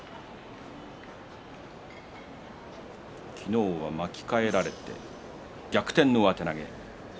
昨日は巻き替えられて逆転の上手投げ。